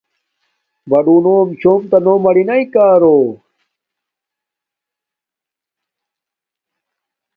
بڑݸنݸم چھݸم تݳ مَرِنݳئی کݳرݸ.